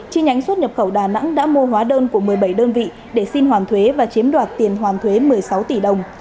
chi nhánh xuất nhập khẩu đà nẵng đã mua hóa đơn của một mươi bảy đơn vị để xin hoàn thuế và chiếm đoạt tiền hoàn thuế một mươi sáu tỷ đồng